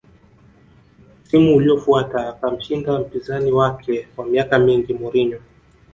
Msimu uliofuata akamshinda mpinzani wake wa miaka mingi Mourinho